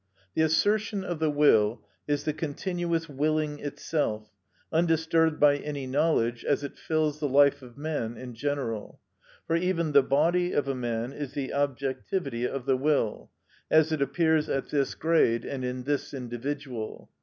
The assertion of the will is the continuous willing itself, undisturbed by any knowledge, as it fills the life of man in general. For even the body of a man is the objectivity of the will, as it appears at this grade and in this individual.